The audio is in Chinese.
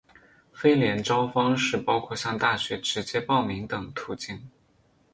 非联招方式包括向大学直接报名等途径。